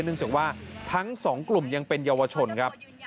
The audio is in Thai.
เนื่องจากว่าทั้งสองกลุ่มยังเป็นเยาวชนครับ